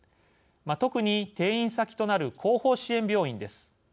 特に転院先となる後方支援病院です。